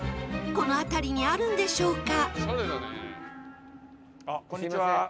この辺りにあるんでしょうか？